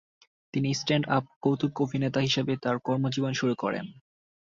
তিনি স্ট্যান্ড-আপ কৌতুকাভিনেতা হিসেবে তার কর্মজীবন শুরু করেন।